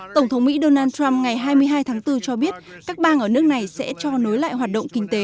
tổng thống mỹ donald trump ngày hai mươi hai tháng bốn cho biết các bang ở nước này sẽ cho nối lại hoạt động kinh tế